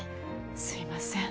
すいません。